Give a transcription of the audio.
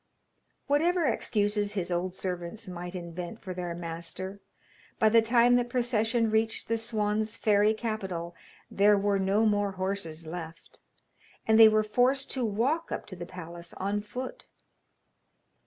Whatever excuses his old servants might invent for their master, by the time the procession reached the Swan's fairy capital there were no more horses left, and they were forced to walk up to the palace on foot.